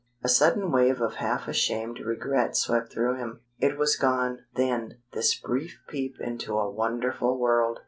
A sudden wave of half ashamed regret swept through him. It was gone, then, this brief peep into a wonderful world!